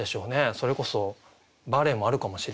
それこそバレエもあるかもしれないし。